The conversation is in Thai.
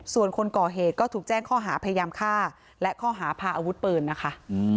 ส่วนคนก่อเหตุก็ถูกแจ้งข้อหาพยายามฆ่าและข้อหาพาอาวุธปืนนะคะ